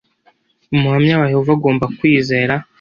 umuhamya wa yehova agomba kwizera.